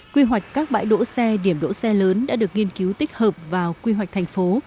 quy hoạch các bãi đỗ xe điểm đỗ xe lớn đã được nghiên cứu tích hợp vào quy hoạch thành phố